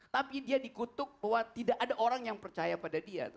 tapi dia dikutuk bahwa tidak ada orang yang percaya pada dia